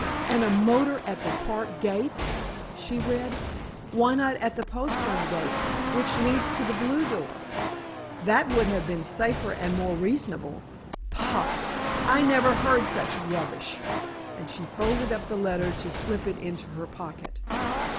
And a 'motor at the park gates,'" she read. "Why not at the postern gate, which leads to the blue door? that would have been safer and more reasonable. Pah! I never heard such rubbish," and she folded up the letter to slip it into her pocket.